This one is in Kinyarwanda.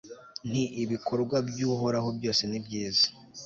nti ibikorwa by'uhoraho byose ni byiza